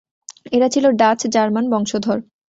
এরা ছিল Dutch, German বংশধর।